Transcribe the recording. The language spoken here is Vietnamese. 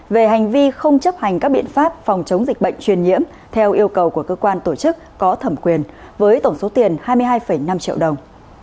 về hành vi không chấp hành các biện pháp phòng chống dịch bệnh truyền nhiễm theo yêu cầu của cơ quan tổ chức có thẩm quyền với tổng số tiền hai mươi hai năm triệu đồng